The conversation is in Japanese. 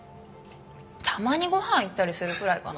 たまにご飯行ったりするくらいかな。